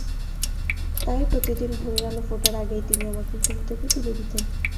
তাই প্রতিদিন ভোরের আলো ফোটার আগেই তিনি আমাকে ঘুম থেকে তুলে দিতেন।